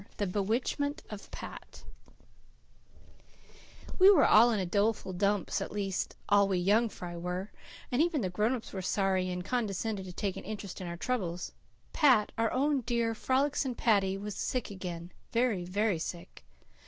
THE BEWITCHMENT OF PAT We were all in the doleful dumps at least, all we "young fry" were, and even the grown ups were sorry and condescended to take an interest in our troubles. Pat, our own, dear, frolicsome Paddy, was sick again very, very sick.